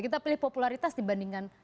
kita pilih popularitas dibandingkan